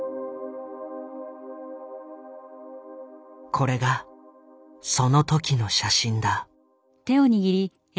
これがその時の写真だ。